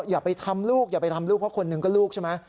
อย่าไปทำลูกอย่าไปทำลูกเพราะคนหนึ่งก็ลูกใช่ไหม